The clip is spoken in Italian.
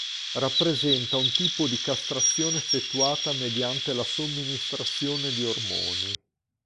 Rappresenta un tipo di castrazione effettuata mediante la somministrazione di ormoni.